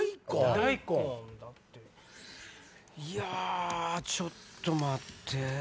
いやちょっと待って。